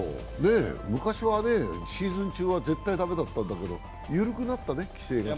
昔はシーズン中は絶対駄目だったんだけど、緩くなったね、規制が。